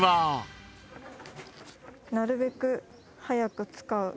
「なるべく早く使う」